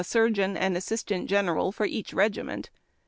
surgeon and assistant surgeon for each regiment.